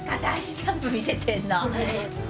ジャンプ見せてんの？